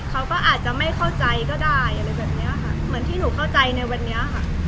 เขาก็อาจจะไม่เข้าใจก็ได้อะไรแบบเนี้ยค่ะเหมือนที่หนูเข้าใจในวันนี้ค่ะ